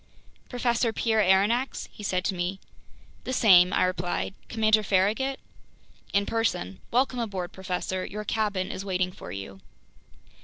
"Professor Pierre Aronnax?" he said to me. "The same," I replied. "Commander Farragut?" "In person. Welcome aboard, professor. Your cabin is waiting for you."